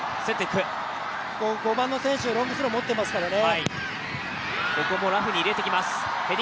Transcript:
５番の選手、ロングスロー持ってますからね。